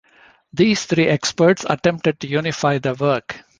These three experts attempted to unify their work.